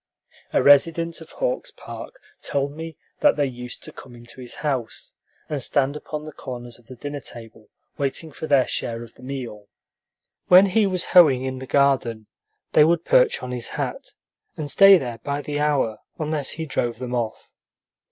A resident of Hawks Park told me that they used to come into his house and stand upon the corners of the dinner table waiting for their share of the meal. When he was hoeing in the garden, they would perch on his hat, and stay there by the hour, unless he drove them off.